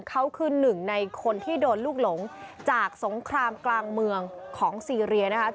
เขาคือหนึ่งในคนที่โดนลูกหลงจากสงครามกลางเมืองของซีเรียนะคะ